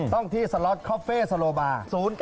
ต้องที่สล็อตคอฟเฟ่สโลบาร์๐๙